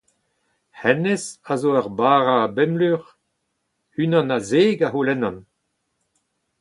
Hennezh a zo ur bara a bemp lur ! Unan a zek a c’houlennan.